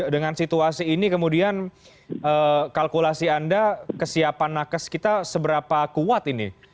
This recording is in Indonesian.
dengan situasi ini kemudian kalkulasi anda kesiapan nakes kita seberapa kuat ini